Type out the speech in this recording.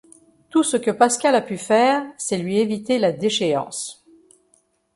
Tout ce que Pascal a pu faire, c'est lui éviter la déchéance.